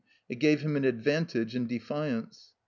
It gave Him an advantage in defiance.